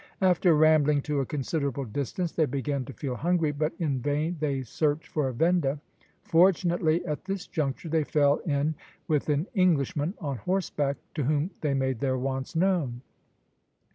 After rambling to a considerable distance, they began to feel hungry, but in vain they searched for a venda. Fortunately at this juncture they fell in with an Englishman on horseback, to whom they made their wants known.